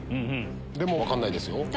でも分かんないですよ。